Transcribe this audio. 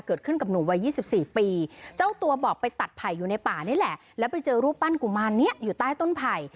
กับหนุ่มวัย๒๔ปีเจ้าตัวบอกไปตัดไผ่อยู่ในป่านี่แหละแล้วไปเจอรูปปั้นกุมารนี้อยู่ใต้ต้นไผ่